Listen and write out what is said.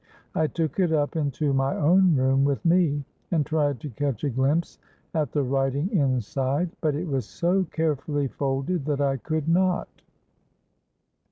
I took it up into my own room with me, and tried to catch a glimpse at the writing inside; but it was so carefully folded that I could not.